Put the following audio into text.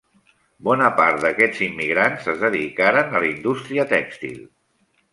Bona part d'aquests immigrants es dedicaren a la indústria tèxtil.